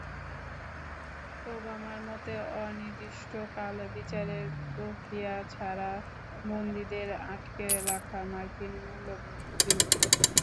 ওবামার মতে, অনির্দিষ্টকাল বিচারের প্রক্রিয়া ছাড়া বন্দীদের আটকে রাখা মার্কিন মূল্যবোধবিরোধী।